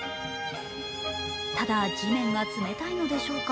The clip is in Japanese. ただ、地面が冷たいんでしょうか